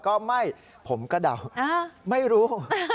ก็ไม่ผมก็เดาไม่รู้